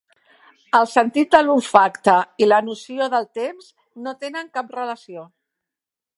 El sentit de l'olfacte i la noció del temps no tenen cap relació